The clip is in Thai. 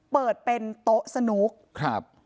เปิดเป็นโต๊ะสนุกครับ